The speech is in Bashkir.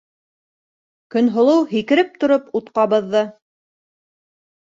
- Көнһылыу һикереп тороп ут ҡабыҙҙы.